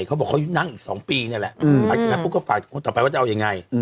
เขาบอกว่าเขานั่งอีก๒ปีเนี่ยแหละก็ฝากคนต่อไปว่าจะเอายังไง